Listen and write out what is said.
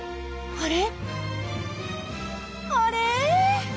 あれ！？